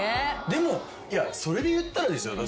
でもいやそれでいったらですよ。